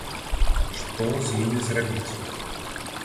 Што з імі зрабіць?